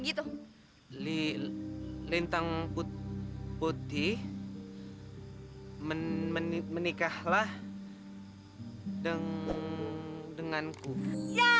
berani macam macam sama dia ya